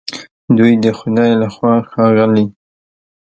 دوی د خدای له خوا ښاغلي